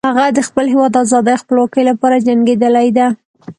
هغه د خپل هیواد د آزادۍ او خپلواکۍ لپاره جنګیدلی ده